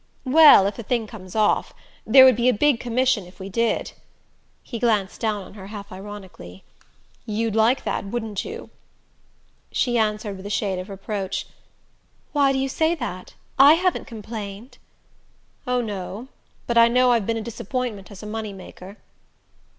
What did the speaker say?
"Well, if the thing comes off. There would be a big commission if we did." He glanced down on her half ironically. "You'd like that, wouldn't you?" She answered with a shade of reproach: "Why do you say that? I haven't complained." "Oh, no; but I know I've been a disappointment as a money maker."